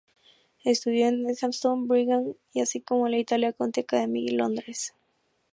Estudió en Edgbaston, Birmingham, así como en la Italia Conti Academy de Londres.